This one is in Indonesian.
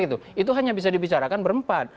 itu hanya bisa dibicarakan berempat